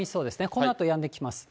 このあとやんできます。